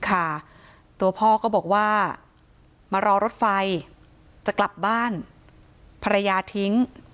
ตัวพ่อก็บอกว่ามารอรถไฟจะกลับบ้านภรรยาทิ้ง